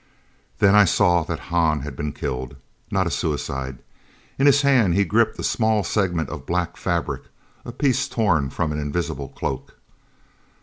Then I saw that Hahn had been killed! Not a suicide! In his hand he gripped a small segment of black fabric, a piece torn from an invisible cloak!